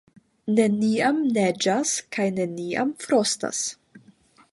Neniam neĝas kaj neniam frostas.